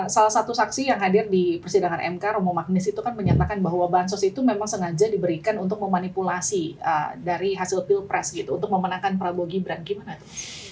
salah satu saksi yang hadir di persidangan mk romo magnis itu kan menyatakan bahwa bansos itu memang sengaja diberikan untuk memanipulasi dari hasil pilpres gitu untuk memenangkan prabowo gibran gimana tuh